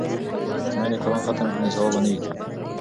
که میندې قران ختم کړي نو ثواب به نه وي کم.